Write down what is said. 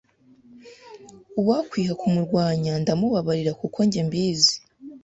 uwakwiha kumurwanya ndamubabarira kuko njye mbizi,